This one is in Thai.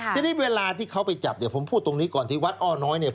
ทีนี้เวลาที่เขาไปจับเนี่ยผมพูดตรงนี้ก่อนที่วัดอ้อน้อยเนี่ย